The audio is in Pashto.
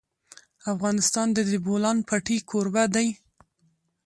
افغانستان د د بولان پټي کوربه دی.